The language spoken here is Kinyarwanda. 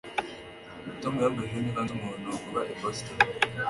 Tom yambajije niba nzi umuntu uba i Boston